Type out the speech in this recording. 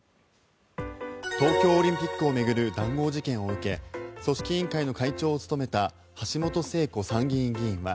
東京オリンピックを巡る談合事件を受け組織委員会の会長を務めた橋本聖子参議院議員は